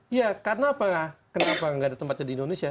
iya kenapa nggak ada tempatnya di indonesia